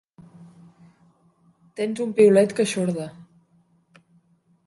Tens un piulet que eixorda.